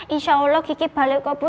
insya allah kiki balik kok bu